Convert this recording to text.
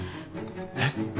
えっ？